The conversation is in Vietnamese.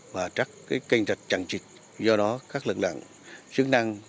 và trắc cái canh trạch trang trịch do đó các lực lượng chứng năng